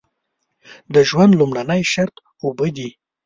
د ژوند لومړنی شرط اوبه دي.